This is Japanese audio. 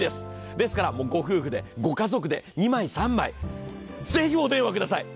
ですからご夫婦で、ご家族で、２枚、３枚、ぜひお電話ください。